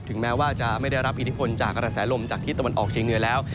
แม้ว่าจะไม่ได้รับอิทธิพลจากกระแสลมจากที่ตะวันออกเชียงเหนือแล้ว